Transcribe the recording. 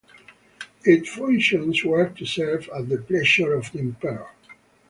Its functions were to serve at the pleasure of the emperor.